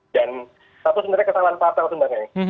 dan satu sebenarnya kesalahan partel sebenarnya nih